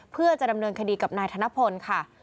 เพื่อจะดำเนินคดีกับนายธนพลค่ะ